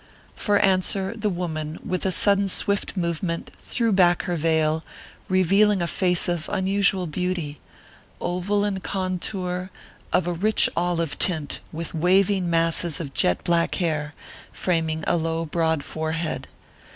For answer the woman, with a sudden swift movement, threw back her veil, revealing a face of unusual beauty, oval in contour, of a rich olive tint, with waving masses of jet black hair, framing a low, broad forehead.